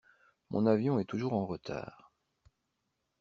Mon avion est toujours en retard.